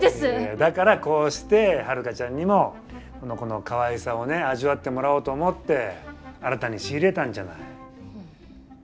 だからこうしてハルカちゃんにもこの子のかわいさをね味わってもらおうと思って新たに仕入れたんじゃない？